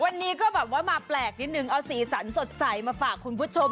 วันนี้ก็แบบว่ามาแปลกนิดนึงเอาสีสันสดใสมาฝากคุณผู้ชม